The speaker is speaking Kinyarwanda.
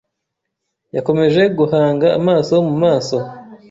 Yakomeje guhanga amaso mu maso .